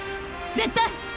絶対！！